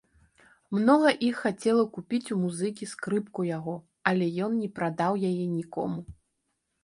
Многа іх хацела купіць у музыкі скрыпку яго, але ён не прадаў яе нікому.